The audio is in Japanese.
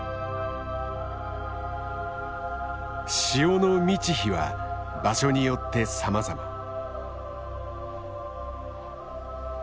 潮の満ち干は場所によってさまざま。